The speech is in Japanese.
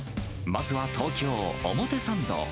まずは東京・表参道。